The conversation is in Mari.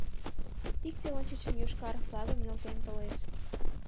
Икте ончычын йошкар флагым нӧлтен толеш.